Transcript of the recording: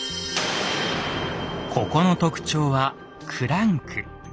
ここの特徴はクランク。